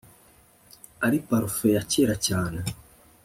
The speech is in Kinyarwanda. Ari parufe ya kera cyane